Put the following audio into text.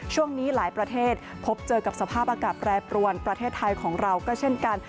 ช่วงนี้หลายประเทศพบเจอกับสภาพอากาศแปรปรวนประเทศไทยของเราก็เช่นกัน